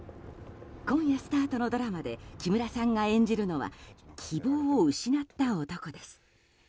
今夜スタートのドラマで木村さんが演じるのは希望を失った男です。